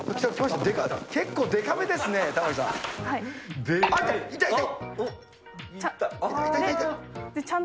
結構、でかめですね、玉城さん。